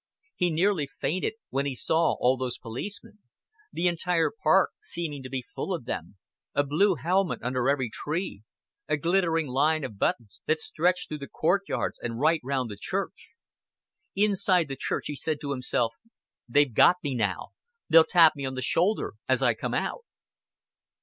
He nearly fainted when he saw all those policemen the entire park seeming to be full of them, a blue helmet under every tree, a glittering line of buttons that stretched through the courtyards and right round the church. Inside the church he said to himself, "They've got me now. They'll tap me on the shoulder as I come out."